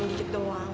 pusing dikit doang